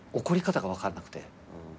怒り方が分かんなくて。